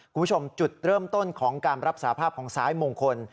คุณผู้ชมจุดเริ่มต้นของการรับสาภาพของซ้ายมงคล